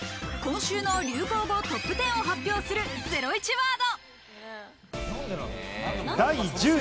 今週の流行語トップテンを発表するゼロイチワード。